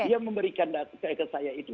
dia memberikan data ke saya itu